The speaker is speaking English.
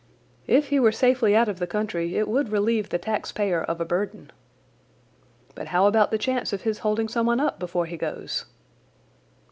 "If he were safely out of the country it would relieve the tax payer of a burden." "But how about the chance of his holding someone up before he goes?"